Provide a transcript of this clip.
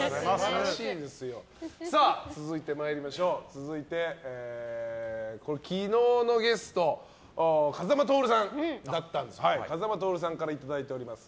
続いて、昨日のゲスト風間トオルさんだったんですがいただいております。